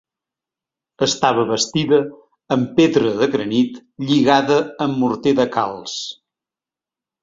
Estava bastida amb pedra de granit lligada amb morter de calç.